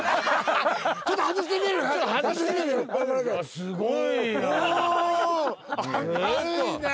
すごい。お！